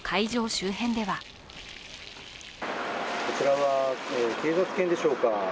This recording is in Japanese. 周辺ではこちらは警察犬でしょうか。